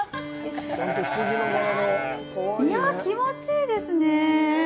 いや、気持ちいいですね。